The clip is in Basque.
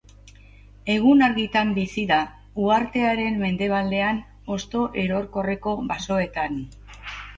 Egun-argitan bizi da, uhartearen mendebaldean, hosto erorkorreko basoetan.